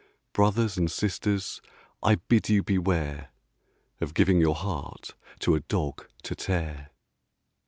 Brothers and sisters, I bid you beware Of giving your heart to a dog to tear.